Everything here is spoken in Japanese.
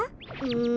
うん。